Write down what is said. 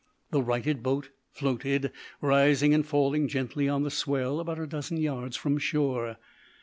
The righted boat floated, rising and falling gently on the swell about a dozen yards from shore.